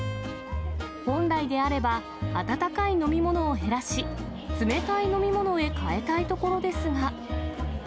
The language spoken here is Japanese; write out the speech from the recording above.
本来であれば、暖かい飲み物を減らし、冷たい飲み物へ変えたいところですが。